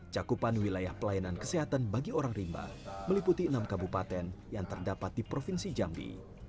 cakupan wilayah pelayanan kesehatan bagi orang rimba meliputi enam kabupaten yang terdapat di provinsi jambi